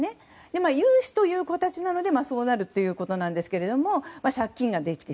融資という形なのでそうなるということなんですが借金ができる。